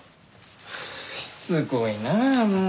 はあしつこいなあもう。